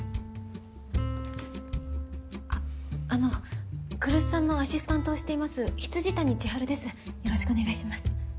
あっあの来栖さんのアシスタントをしています未谷千晴ですよろしくお願いします。